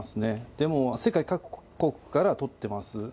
でも、世界各国から取ってます。